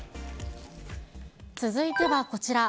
続いてはこちら。